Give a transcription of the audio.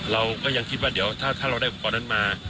เราก็ยังคิดว่าเดี๋ยวถ้าเราได้อุปกรณ์นั้นมา